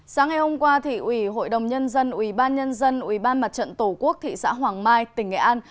sáng ngày hôm qua thị ủy hội đồng nhân dân ủy ban nhân dân ủy ban mặt trận tổ quốc thị xã hoàng mai tỉnh nghệ an